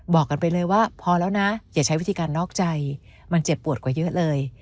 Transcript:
บอกกันไปเลยว่าพอแล้วนะอย่าใช้วิธีการนอกใจมันเจ็บปวดกว่าเยอะเลย